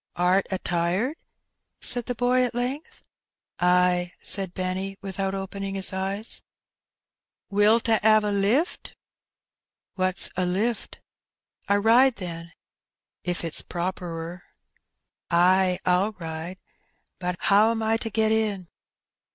^^Art a tired ?'* said the boy at length. "Ay," said Benny, without opening his eyes. '^Wilt a *ave a lift?" " What^s a lift ?"" A ride, then, if it^s properer." " Ay, ril ride ; but 'oVm I to get in